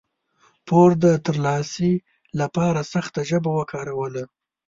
پور د ترلاسي لپاره سخته ژبه وکاروله.